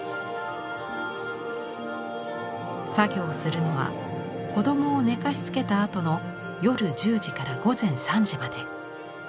作業をするのは子供を寝かしつけたあとの夜１０時から午前３時まで。